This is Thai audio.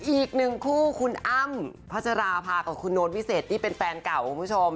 อีกหนึ่งคู่คุณอ้ำพัชราภากับคุณโน้ตวิเศษที่เป็นแฟนเก่าคุณผู้ชม